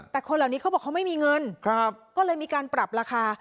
แต่คนเหล่านี้เขาบอกเขาไม่มีเงินก็เลยมีการปรับราคา